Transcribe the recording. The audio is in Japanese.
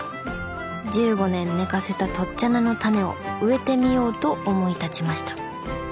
１５年寝かせたとっちゃ菜のタネを植えてみようと思い立ちました。